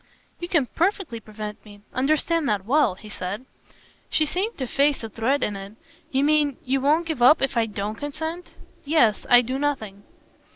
"You can perfectly prevent me. Understand that well," he said. She seemed to face a threat in it. "You mean you won't give up if I DON'T consent?" "Yes. I do nothing."